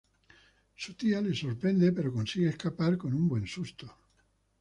Su tía les sorprende pero consiguen escapar con un buen susto.